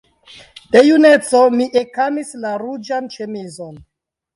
De juneco mi ekamis la ruĝan ĉemizon.